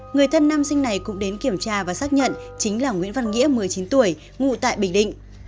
người thân nam sinh này cũng đến kiểm tra và xác nhận chính là nguyễn văn nghĩa một mươi chín tuổi ngụ tại bình định